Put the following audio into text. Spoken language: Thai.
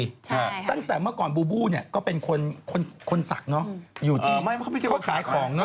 แล้วถ้าหมดังแต่เมื่อก่อนบูบูเนี่ยก็เป็นคนสักนะอยู่ที่เขาขายของตัว